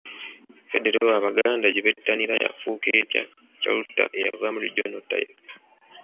Federo Abaganda gyebettanira yafuuka etya Chalter Eyavaamu “Regional Tier?”